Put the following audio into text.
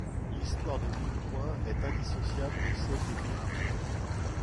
L'histoire de Mouille Point est indissociable de celle de Green Point.